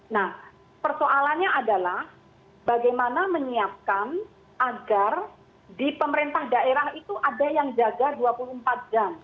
nah persoalannya adalah bagaimana menyiapkan agar di pemerintah daerah itu ada yang jaga dua puluh empat jam